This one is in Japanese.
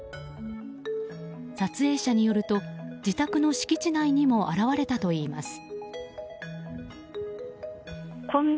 撮影者によると自宅の敷地内にも現れたといいます。